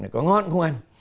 có ngon không ăn